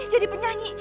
iya jadi penyanyi